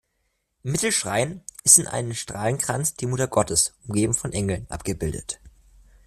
Im Mittelschrein ist in einem Strahlenkranz die Muttergottes, umgeben von Engeln, abgebildet.